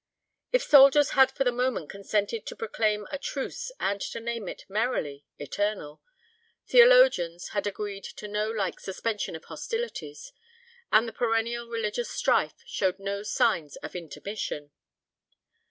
If soldiers had for the moment consented to proclaim a truce and to name it, merrily, eternal, theologians had agreed to no like suspension of hostilities, and the perennial religious strife showed no signs of intermission.